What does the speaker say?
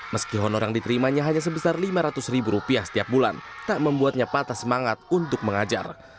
meski honor yang diterimanya hanya sebesar lima ratus ribu rupiah setiap bulan tak membuatnya patah semangat untuk mengajar